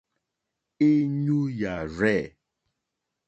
Èɲú yà rzɛ̂.